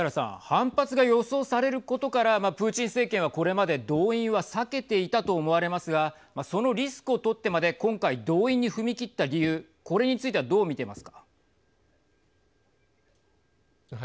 反発が予想されることからプーチン政権はこれまで動員は避けていたと思われますがそのリスクを取ってまで今回、動員に踏み切った理由これについてはどう見ていますか。